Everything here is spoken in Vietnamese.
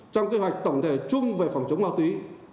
trong kế hoạch tổng thể chung về phòng chống ma túy